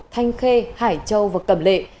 thanh khê hải châu và cầm lệ